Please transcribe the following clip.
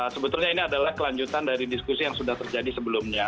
sebetulnya ini adalah kelanjutan dari diskusi yang sudah terjadi sebelumnya